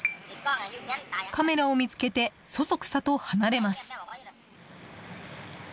カメラを見つけてそそくさと離れます。